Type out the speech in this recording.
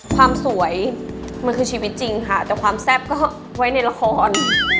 ความสวยมันคือชีวิตจริงค่ะแต่ความแซ่บก็ไว้ในละคร